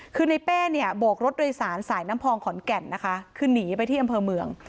คือในเป้เนี่ยโบกรถโดยสารสายน้ำพองขอนแก่นนะคะคือหนีไปที่อำเภอเมือง